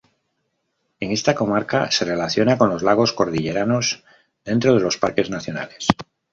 En esta "comarca" se relaciona con los lagos cordilleranos dentro de los Parques Nacionales.